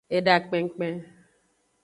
Eda kpenkpen.